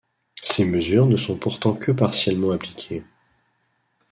Ces mesures ne sont pourtant que partiellement appliquées.